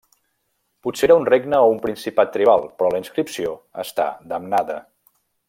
Potser era un regne o principat tribal però la inscripció està damnada.